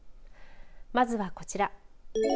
まずはこちら。